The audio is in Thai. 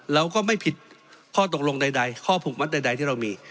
เราก็ไม่ผิดข้อตกลงใดข้อผูกมัดใดที่เรามี